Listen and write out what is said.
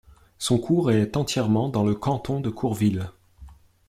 Son cours est entièrement dans le canton de Courville.